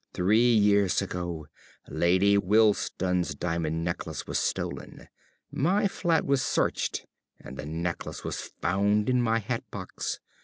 _) Three years ago Lady Wilsdon's diamond necklace was stolen. My flat was searched and the necklace was found in my hatbox.